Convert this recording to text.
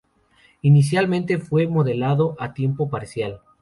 Inicialmente, fue modelo a tiempo parcial.